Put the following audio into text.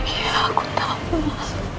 ya aku tahu ma